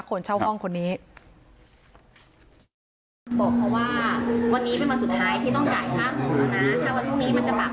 ผลเช่าห้องคนนี้บอกเขาว่าวันนี้เป็นวันสุดท้ายที่ต้องจ่ายครับ